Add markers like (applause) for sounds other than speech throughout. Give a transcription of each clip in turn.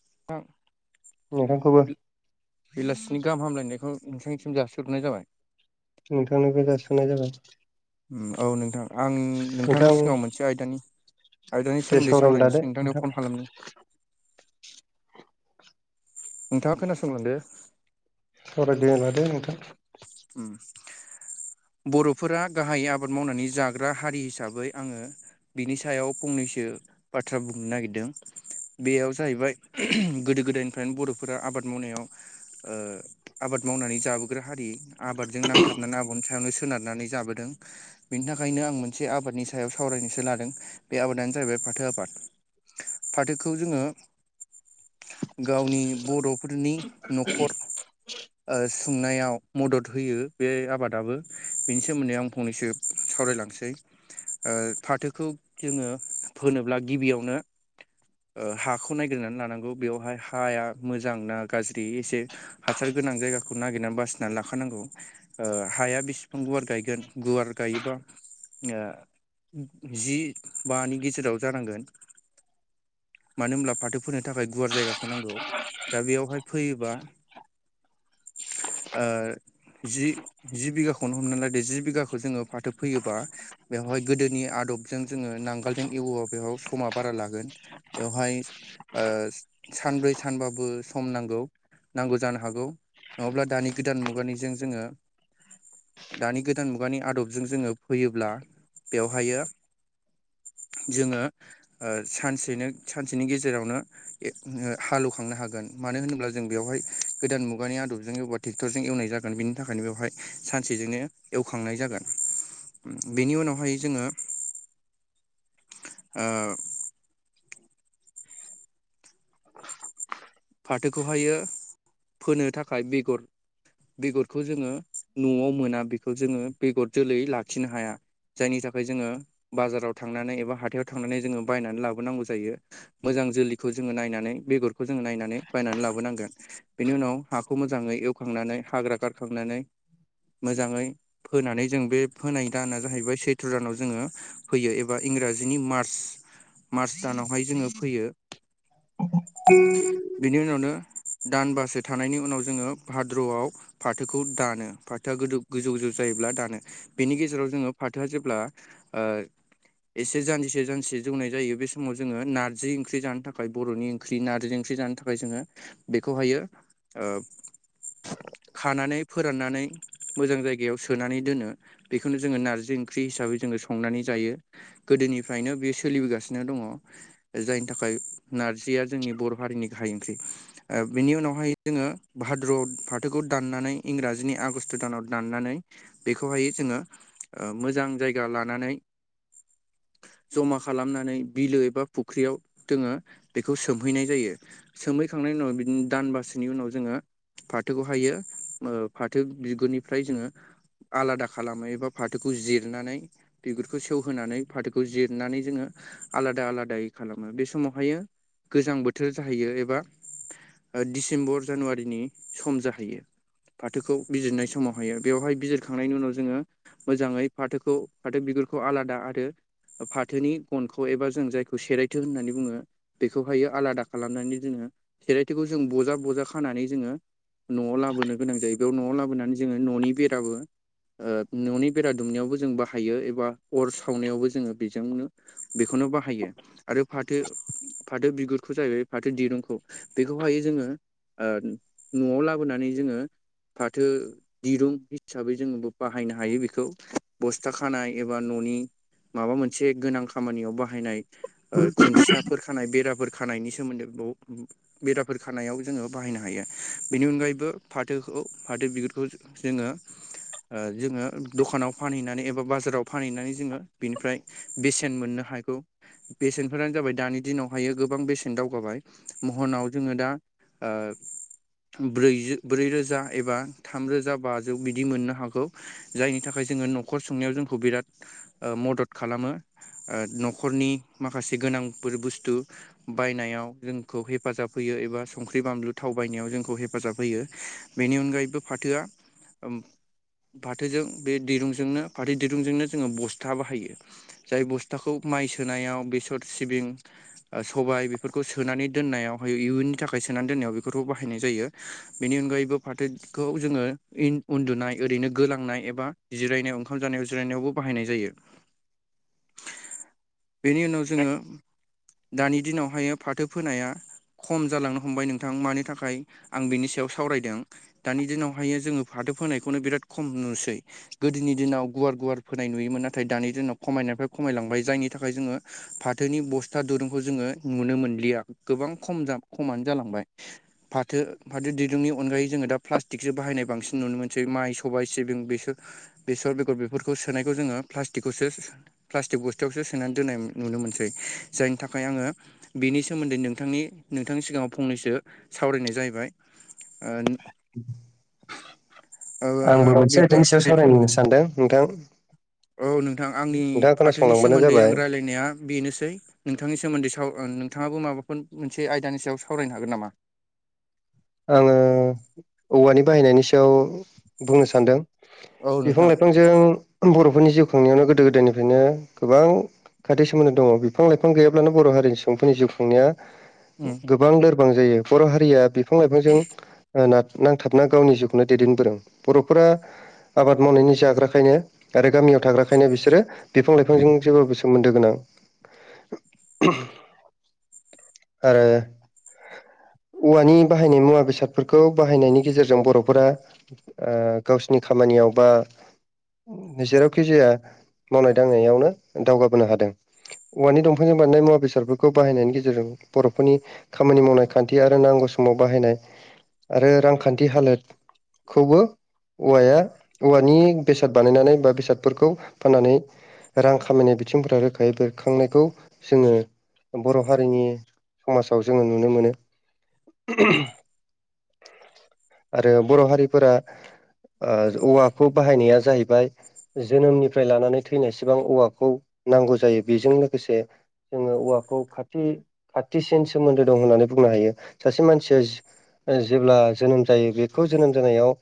नोथां नोंथांखौबो (inaudible) बेलासिनि गाहाम हामलायनायखौ नोंथांनिसिम जासिहरनाय जाबाय नोंथांनोबो जासिहरनाय जाबाय औ नोंथां आं नोंथांनि नोंथां सिगाङाव मोनसे आयदानि आयदानि दे सोमोन्दै सावरायनो लादो सावरायनोसै नोंथांनियाव नोंथां फन खालाम नोंथाङा खोनासंगोरदो सावरायदो होनबादे नोंथां (inaudible) बर'फोरा गाहायै आबाद मावनानै जाग्रा हारि हिसाबै आङो बिनि सायाव फंनैसो बाथ्रा बुंनो नागिरदों बेयाव जाहैबाय गोदो गोदायनिफ्रायनो बर'फोरा आबाद मावनायाव ओ आबाद मावनानै जाबोग्रा हारि आबादजों नांथाबनानै आब'नि सायावनो सोनारनानै जाबोदों बेनि थाखायनो आं मोनसे आबादनि सायाव सावरायनो लादों बे आबादानो जाहैबाय फाथो आबाद फाथोखौ जोङो गावनि बर'फोरनि न'खर ओ सुंनायाव मदद होयो बे आबादाबो बेनि सोमोन्दै आं फंनैसो सावरायलांसै ओ फाथोखौ जोङो फोनोब्ला गिबियावनो हाखौ नायगिरनानै लानांगौ बेवहाय हाया मोजां ना गाज्रि एसे हासार गोनां जायगाखौ नागिरनानै बासिनो ना लाखानांगौ हाया बेसेबां गुवार गायगोन गुवार गायोबा ओ जिबानि गेजेराव जानांगोन। मानो होनब्ला फाथो फोनो थाखाय गुवार जायगाखौ नांगौ दा बेयावहाय फैयोबा ओ जि जि बिघाखौनो हमनानै लायदो जि बिघाखौ जोङो फाथो फैयोबा बेवहाय गोदोनि आ। आदबजों जोङो नांगोलजों एवोबा बेहाय समा बारा लागोन बेवहाय। सानब्रै सानबाबो सम नांगौ नांगौ जानो हागौ नङाब्ला दानि गोदान मुगानिजों जोङो दानि गोदान मुगानि आदबजों जोङो फैयोब्ला बेवहायो (inaudible) जोङो सानसेनो सानसेनि गेजेरावनो हालेवखांनो हागोन। मानो होनोब्ला जों बेवहाय गोदान मुगानि आदबजों एबाथाय ट्रेक्टरजों एवनाय जागोन बिनि थाखायनो बेवहाय सानसेजोंनो एवखांनाय जागोन बेनि उनावहाय जोङो फाथोखौहायो फोनो थाखाय बेगर बेगरखौ जोङो न'आव मोना बेखौ जोङो बेगर जोलै लाखिनो हाया जायनि थाखाय जोङो बाजाराव थांनानै एबा हाथायाव थांनानै जोङो बायनानै लाबोनांगौ जायो मोजां जोलैखौ जोङो नायनानै बेगरखौ जोङो नायनानै बायनानै लाबोनांगोन बेनि उनाव हाखौ मोजाङै एवखांनानै हाग्रा गारखांनानै मोजाङै फोनानै जों बे फोनाय दाना जाहैबाय सैथ्र दानाव जोङो फैयो एबा इंराजिनि मार्च मार्च दानावहाय जोङो फैयो (unintelligible) बिनि उनावनो दानबासो थानायनि उनाव जोङो भाद्रआव फाथोखौ दानो फाथोआ गोद गोजौ गोजौ जायो। दानो बेनि गेजेराव जोङो फाथोआ जेब्ला एसे जानजसे जानसे जौनाय जायो बे समाव जोङो नारजि ओंख्रि जानो थाखाय बर'नि ओंख्रि नारजि ओंख्रि जानो थाखाय जोङो बेखौहायो खानानै फोराननानै मोजां जायगायाव सोनानै दोनो बेखौनो जोङो नारजि ओंख्रि हिसाबै जोङो संनानै जायो गोदोनिफ्रायनो बेयो सोलिबोगासिनो दङ जायनि थाखाय नार जिया जोंनि बर' हारिनि गाहाय ओंख्रि बेनि उनावहाय जोङो भाद्र' फाथोखौ दाननानै इंराजिनि आगष्ट टानाव दाननानै बेखौहाय जोङो मोजां जायगा लानानै जमा खालामनानै बिलो एबा फुख्रियाव जोङो बेखौ सोमहैनाय जायो सोमहैखांनायनि उनाव बिदिनो दानबासोनि उनाव जोङो फाथोखौहायो फाथो बिगुरनिफ्राय जोङो आलादा खालामो एबा फाथोखौ जिरनानै बिगुरखौ सेवहोनानै फाथोखौ जिरनानै जोङो आलादा आलादायै खालामो बे समावहायो गोजां बोथोर जाहैयो एबा डिसेम्बर जानुवारिनि सम जाहैयो फाथोखौ बिजिरनाय समावहायो बेवहाय बिजिरखांनायनि उनाव जोङो मोजाङै फाथोखौ फाथो बिगुरखौ आलादा आरो फाथोनि गनखौ एबा जों जायखौ सेरायथो होननानै बुङो बेखौहायो आलादा खालामनानै जोङो थेरायथिखौ जों बजा बजा खानानै जोङो न'आव लाबोनो गोनां जायो बेयाव न'आव लाबोनानै जोङो न'नि बेराबो ओ न'नि बेरा दुमनायावबो जों बाहायो एबा अर सावनायावबो जोङो बेजोंनो बेखौ नो बाहायो आरो फाथो फाथो बिगुरखौ जाहैबाय फाथो दिरुंखौ बेखौहायो जोङो ओ न'आव लाबोनानै जोङो फाथो दिरुं हिसाबै जोङोबो बाहायनो हायो बेखौ बस्था खानाय एबा न' नि माबा मोनसे गोनां खामानियाव बाहायनाय ओ खुन्थियाफोर खानाय बेराफोर खानायनि सोमोन्दो औ बेराफोर खानायाव जोङो बाहायनो हायो बेनि अनगायैबो फाथोखौ फाथो बि बो जोङो ओ जोङो दखानाव फानहैनानै एबा बाजाराव फानहैनानै जोङो बेनिफ्राय बेसेन मोननो हा हायखौ बेसेन्टफोरानो जाबाय दानि दिनावहायो गोबां बेसेन दावगाबाय महनाव जोङो दा ओ ब्रैजो ब्रैरोजा एबा थामरोजा बाजौ बिदि मोननो हागौ जायनि थाखाय जोङो न'खर संनायाव जोंखौ बिराद ओ मदद खालामो ओ न'खरनि माखासे गोनांफोर बुस्थु बायनायाव जोंखौ हेफाजाब होयो एबा संख्रि बानलु थाव बायनायाव जोंखौ हेफाजाब होयो बेनि अनगायैबो फाथ थोआ ओम फाथोजों बे दिरुंजोंनो फाथो दिरुंजोंनो जोङो बस्था बाहायो जाय बस्थाखौ माइ सोनायाव बेसर सिबिं ओ सबाय बेफोरखौ सोनानै दोननायावहाय इयुननि थाखाय सोनानै दोननायाव बेफोरखौ बाहायनाय जायो बेनि अनगायैबो फाथोखौ जोङो इन उन्दुनाय ओरैनो गोलांनाय एबा जिरायनायाव ओंखाम जानायाव जिरायनायावबो बाहायनाय जायो। बेनि उनाव जोङो दानि दिनावहायो फाथो फोनाया खम जालांनो हमबाय नोंथां मानि थाखाय आं बिनि सायाव सावरायदों दानि दिनावहायो जोङो फाथ थो फोनायखौनो बिराद खम नुसै गोदोनि दिनाव गुवार गुवार फोनाय नुयोमोन नाथाय दानि दिनाव खमायनायनिफ्राय ख खमायलांबाय जायनि थाखाय जोङो फाथोनि बस्था दुरुंखौ जोङो नुनो मोन लिया गोबां खमजा खमानो जालांबाय फाथो फाथो दिरुंनि अनायै जोङो दा प्लास्टिक बाहायनाय बांसिन नुनो मोनसै माइ सबाय सिबिं बेसर बेगर बेफोरखौ सोनायखौ जोङो प्लाटिक बेखौ सो प्लाष्टीक बसथायावसो सोनानै दोननाय नुनो मोनसै जायनि थाखाय आङो बिनि सोमोन्दै नोंथांनि नोंथांनि सिगाङाव फंनैसो सावरायनाय जाहैबाय ओ ओ (unintelligible) आंबो मोनसे बेफोर आइदानि सायाव सरायनो सानदों नोंथां औ नोंथां आंनि नोंथाङा फाथोनि खोनासंलांबानो सोमोन्दै जाबाय आं रायलायनाया बेनोसै नोंथांनि सोमोन्दै साव ओ नोंथाङाबो माबाफोर मोनसे आयदानि सायाव सावरायनो हागोन नामा? आङो औवानि बाहायनायनि सायाव बुंनो सानदों औ बिफां नोंथां लाइफांजों बर'फोरनि जिउ खांनायावनो गोदो गोदायनिफ्रायनो गोबां खाथि सोमोन्दो दङ बिफां लाइफां गैयाब्लानो बर' हारिनि सुबुंफोरनि जिउ खुंनाया उम गोबां लोरबां जायो बर' हारिया बिफां लाइफांजों नांथाबना गावनि जिउखौनो दैदेनबोदों बर'फोरा आबाद मावनायनि नि जाग्राखायनो आरो गामियाव थाग्राखायनो बिसोरो बिफां लाइफांजों जेबो सोमोन्दो गोनां आरो (inaudible) औवानि बाहायनाय मुवा बेसादफोरखौ बाहायनायनि गेजेरजों बर'फोरा ओ गावसोरनि खामानि यावबा जेराव कि जाया मावनाय दांनायावनो दावगाबोनो हादों। औवानि दंफांजों बानायनाय मुवा बेसादफोरखौ बाहायनायनि गेजेरजों बर'फोरनि खामानि मावनाय खान्थि आरो नांगौ समाव बाहायनाय आरो रांखान्थि हालोदखौबो औवाया औवानि बेसाद बानायनानै बा बेसादफोरखौ फाननानै रां खामायनाय बिथिंफोरा रोखायै बेरखांनायखौ जोङो बर' हारिनि समाजाव जोङो नुनो मोनो आरो बर' हारिफोरा आ औवाखौ बाहायनाया जाहैबाय जोनोमनिफ्राय लानानै थैनायसेबां औवाखौ नांगौ जायो बेजों लोगोसे जोङो औवाखौ खाथि-खाथिसिन सोमोन्दो दं होननानै बुंनो हायो सासे मानसिया जि जेब्ला जोनोम जायो बेखौ जोनोम जानायाव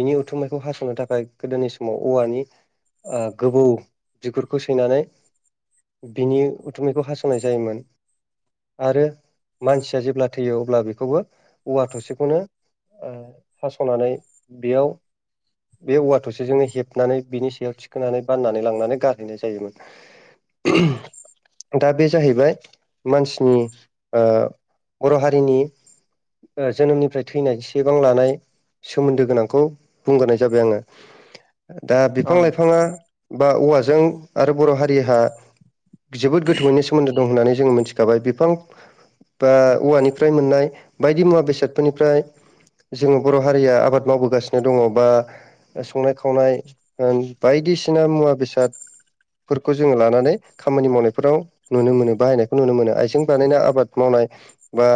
बिनि उथुमाखौ हास'नो थाखाय गोदोनि समाव औवानि आ गोबौ बिगुरखौ सैनानै बिनि उथुमैखौ हास'नाय जायोमोन आरो मानसिया जेब्ला थैयो अब्ला बेखौबो औवा थसेखौनो आ हास'नानै बेयाव बे औवा थ'सेजोंनो हेबनानै बिनि सायाव थिखोनानै बाननानै लांनानै गारहैनाय जायोमोन दा बे जाहैबाय मोस नि आ बर' हारिनि ओ जोनोमनिफ्राय थैनाय सेबां लानाय सोमोन्दो गोनांखौ बुंगोनाय जाबाय आङो दा औ बिफां लाइफाङा बा औवाजों आरो बर' हारिहा जोबोद गोथौवयैनो सोमोन्दो दं होननानै जोङो मोनथि गाबाय बिफां बा औवानिफ्राय मोननाय बायदि मुवा बेसादफोरनिफ्राय जों बर' हारिया आबाद मावबोगासिनो दङ बा संनाय खावनाय होन बायदिसिना मुवा बेसाद फोरखौ जोङो लानानै खामानि मावनायफोराव नुनो मोनो बाहायनाय उ नुनो मोनो आइजें बानायनाय आबाद मावनाय बा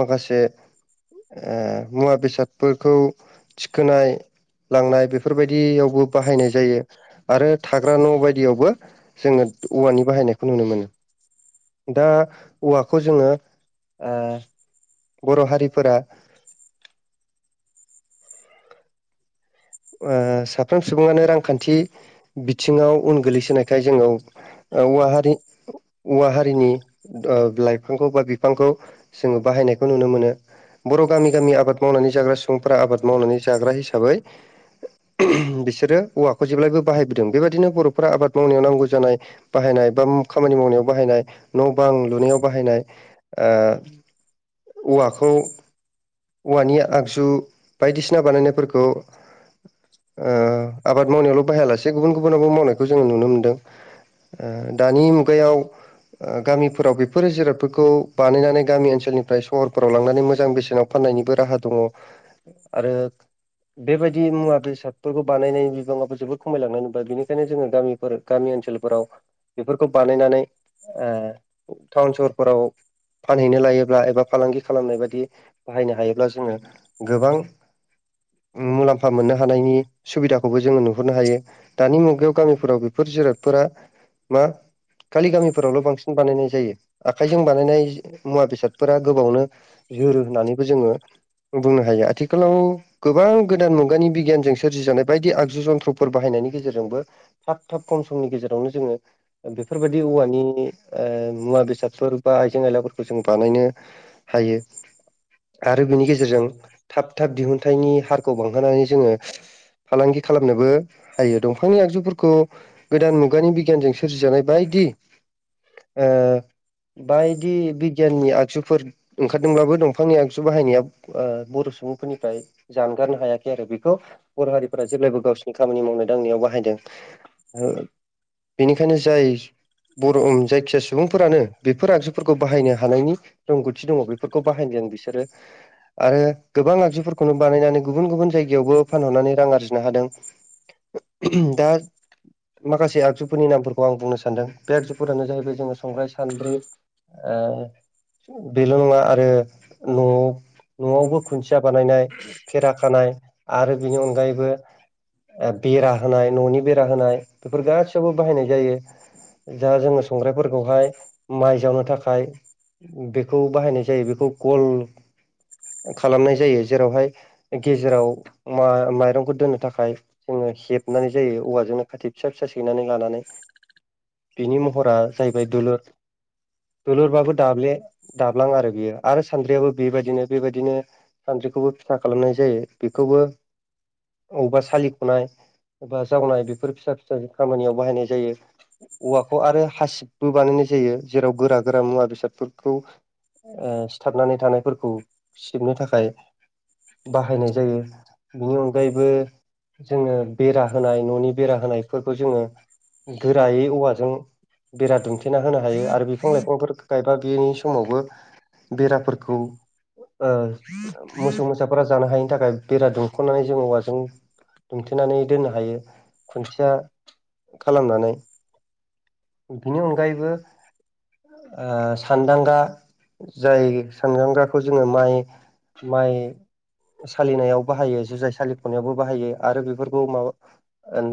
माखासे ए मुवा बेसादफोरखौ थिखोनाय लांनाय बेफोरबायदियावबो बाहायनाय जायो आरो थाग्रा न' बायदियावबो जोङो औवानि बाहायनायखौ नुनो मोनो। (unintelligible) दा औवाखौ जोङो आ बर' हारिफोरा आ साफ्राम सुबुङानो रांखान्थि बिथिङाव उन गोलैसोनायखाय जोङाव औवा हारि उवा हारिनि आ लाइफांखौ बा बिफांखौ जोङो बाहायनाय एखौ नुनो मोनो बर' गामि गामिनि आबाद मावनानै जाग्रा सुबुंफोरा आबाद मावनानै जाग्रा हिसाबै (unintelligible) उम बिसोरो औवाखौ जेब्लायबो बाहायबोदों बेबायदिनो बर'फ्रा आबाद मावनायाव नांगौ जानाय बाहायनाय बाम खामानि मावनायाव बाहायनाय न' बां लुनायाव बाहायनाय आ औवाखौ औवानि आगजु बायदिसिना बानायनायफोर (unintelligible) ओ आबाद मावनायावल' बाहायालासे गुबुन गुबुनावबो मावनायखौ जोङो नुनो मोनदों। आ दानि मुगायाव आ गामिफोराव बेफोर जिरादफोरखौ बानायनानै गामि ओनसोलनिफ्राय सहरफोराव लांनानै मोजां बेसेनाव फाननायनिबो राहा दङ आरो बेबायदि मुवा बेसादफोरखौ बानायनाय बिबाङाबो जोबोद खमायलांनाय नुबाय बेनिखायनो जोङो गामिफोर गामि ओनसोलफोराव बेफोरखौ बानायनानै ए टाउन सहरफोराव फानहैनो लायोब्ला एबा फालांगि खालामनाय बादि बाहायनो हायोब्ला जोङो गोबां मुलाम्फा मोननो हानायनि सुबिदाखौबो जोङो नुहुरनो हायो दानि मुगायाव गामिफोराव बेफोर जिरादफोरा मा खालि गामिफोरावल' बांसिन बानायनाय जायो आखाइजों बानायनाय मुवा बेसादफोरा गोबावनो जोरो होननानैबो जोङो बुंनो हायो आथिखालाव गोबां गोदान मुगानि बिगियानजों सोरजिजानाय बायदि आगजु जन्थ्रफोर बाहायनाय एनि गेजेरजोंबो थाब थाब खमसमनि गेजेरावनो जोङो बेफोर बादि औवानि आ मुवा बेसादफोर बा आइजें आयलाफोरखौ जों बानायनो हायो। (inaudible) आरो बिनि गेजेरजों थाब थाब दिहुनथाइनि हारखौ बांहोनानै जोङो। फालांगि खालामनोबो हायो दंफांनि आगजुफोरखौ गोदान मुगानि बिगियानजों सोरजिजानाय बायदि दि। ओ बायदि बिगियाननि आगजुफोर ओंखारदोंब्लाबो दंफांनि आगजु। जु बाहायनाय बर' सुबुंफोरनिफ्राय जानगारनो हायाखै आरो बेखौ बर' हारिफोरा जेबब्लाबो गाव। गावसोरनि खामानि मावनाय दांनायाव बाहायदों बेनिखायनो जाय बर' जायखिजया सुबुंफोरानो बेफोर आगजुफोरखौ बाहायनो हानायनि रोंगौथि दङ बेफोरखौ बाहायनो। जों बिसोरो (inaudible) आरो गोबां आगजुफोरखौनो बानायनानै गुबुन गुबुन जायगायावबो फानहरनानै रां आरजिनो हादों। दा माखासे आगजुफोरनि नामफोरखौ आं बुंनो सानदों बे आगजुफोरानो जाहैबाय जोङो संख्राइ सानब्रै ओ बेल' नङा आरो न'आव न'आवबो खुन्थिया बानायनाय फेरा खानाय। आरो बेनि अनगायैबो ओ बेरा होनाय न'नि बेरा होनाय बेफोर गासैयावबो बाहायनाय जायो। दा जोङो संख्राइफोरखौहाय माइ जावनो थाखाय बेखौ बाहायनाय जायो बेखौ कल (inaudible) खालामनाय जायो जेरावहाय गेजेराव मा‌ माइरंखौ दोननो थाखाय जोङो हेबनानै जायो औवाजोंनो खाथि फिसा फिसा सैनानै लानानै बिनि महरा जाहैबाय दोलुर दोलुरबाबो दाब्ले दाबलां आरो बियो आरो सान्द्रियाबो बेबायदिनो बेबायदिनो सानद्रिखौबो फिथा खालामनाय जायो बेखौबो बबावबा सालिख'नाय बा जावनाय बेफोर फिसा फिसा खामानियाव बाहायनाय जायो। औवाखौ आरो हासिबबो बानायनाय जायो जेराव गोरा गोरा मुवा बेसादफोरखौ ओ सिथाबनानै थानायफोरखौ सिबनो थाखाय। बाहायनाय जायो बेनि अनगायैबो जोङो बेरा होनाय न'नि बेरा होनायफोरखौ जोङो गोरायै औवाजों बिरा‌‌ दुंथे थेना होनो हायो आरो बिफां नोंथां लाइफांफोर गायबा गैयिनि समावबो बेराफोरखौ ओ मोसौ मोसाफोरा जानो हायिनि थाखाय बेरा दुंख'नानै जों औवाजों दुमथेनानै दोननो हायो खुन्थिया खालामनानै बेनि अनगायैबो ओ सानदांगा जाय सानदांगा खौ जोङो माइ माइ सालिनायाव बाहायो जुजाय सालिफ'नायावबो बाहायो आरो बेफोरखौ माबा ना